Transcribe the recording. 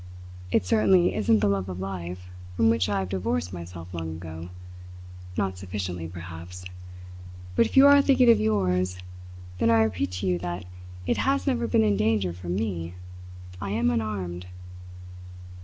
It certainly isn't the love of life, from which I have divorced myself long ago not sufficiently, perhaps; but if you are thinking of yours, then I repeat to you that it has never been in danger from me. I am unarmed."